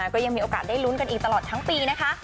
ก็ยังมีโอกาสได้ลุ้นกันอีกตลอดทั้งปีนะคะ